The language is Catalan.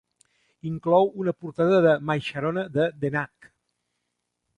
Inclou una portada de "My Sharona" de The Knack.